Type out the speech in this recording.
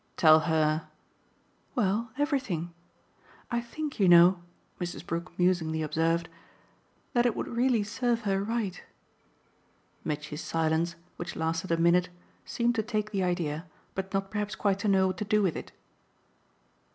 "Tell her ?" "Well, everything. I think, you know," Mrs. Brook musingly observed, "that it would really serve her right." Mitchy's silence, which lasted a minute, seemed to take the idea, but not perhaps quite to know what to do with it.